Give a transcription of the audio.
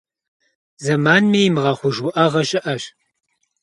Зэманми имыгъэхъуж уӏэгъэ щыӏэщ.